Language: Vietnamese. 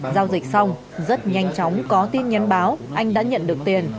giao dịch xong rất nhanh chóng có tin nhắn báo anh đã nhận được tiền